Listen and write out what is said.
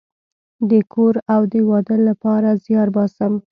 د کور او د واده لپاره زیار باسم